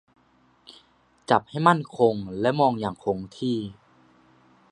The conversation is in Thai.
จับให้มั่นคงและมองอย่างคงที่